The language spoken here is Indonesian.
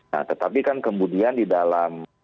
nah tetapi kan kemudian di dalam